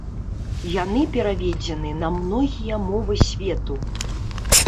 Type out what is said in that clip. Яны пераведзены на многія мовы свету.